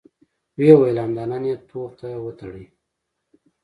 ويې ويل: همدا نن يې توپ ته وتړئ!